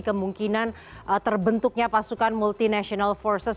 kemungkinan terbentuknya pasukan multinational forces